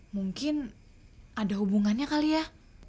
mungkin ada hubungannya kali ya